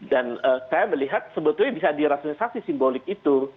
dan saya melihat sebetulnya bisa dirasionalisasi simbolik itu